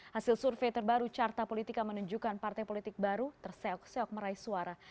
hasil survei terbaru carta politika menunjukkan partai politik baru terseok seok meraih suara